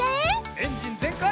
エンジンぜんかい！